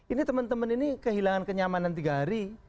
ini teman teman ini kehilangan kenyamanan tiga hari